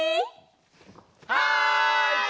はい！